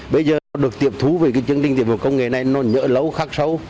bây giờ nó được tiệm thú với cái chương trình tiện việt công nghệ này nó nhỡ lấu khắc xấu